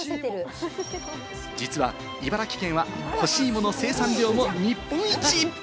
実は茨城県は干し芋の生産量も日本一。